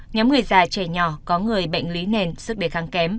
nhóm người già trẻ nhỏ có người bệnh lý nền sức đề kháng kém